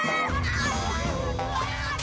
ketuk dia lagu banget